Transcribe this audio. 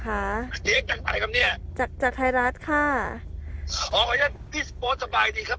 จากไหนครับเนี้ยจากจากไทยรัฐค่ะอ๋อพี่สบายดีครับ